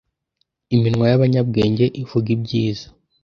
iminwa y’abanyabwenge ivuga ibyiza.